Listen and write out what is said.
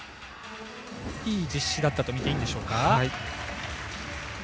いい実施だったとみていいんでしょうか。